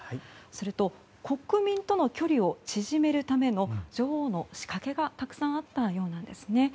すると国民との距離を縮めるための女王の仕掛けがたくさんあったようなんです。